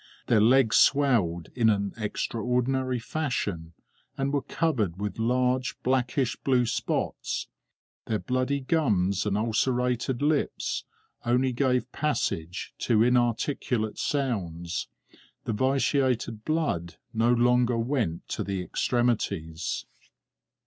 Their legs swelled in an extraordinary fashion, and were covered with large blackish blue spots; their bloody gums and ulcerated lips only gave passage to inarticulate sounds; the vitiated blood no longer went to the extremities.